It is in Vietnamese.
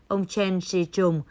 ông chen shih chung